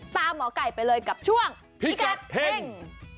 หมอไก่ไปเลยกับช่วงพิกัดเฮ่ง